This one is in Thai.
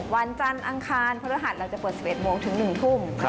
วันจันทร์อังคารพฤหัสเราจะเปิด๑๑โมงถึง๑ทุ่ม